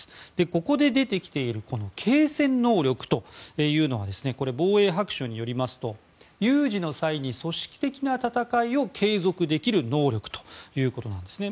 ここで出てきているこの継戦能力というのは防衛白書によりますと有事の際に組織的な戦いを継続できる能力ということなんですね。